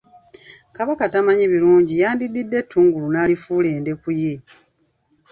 Kabaka tamanyi birungi, yandiddidde ettungulu n'alifuula endeku ye.